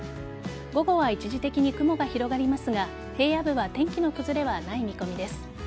午後は一時的に雲が広がりますが平野部は天気の崩れはない見込みです。